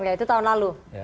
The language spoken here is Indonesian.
itu tahun lalu